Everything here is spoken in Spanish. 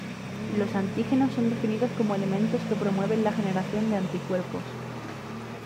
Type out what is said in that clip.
Los antígenos son definidos como elementos que promueven la generación de anticuerpos.